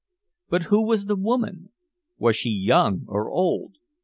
But who was the woman? Was she young or old?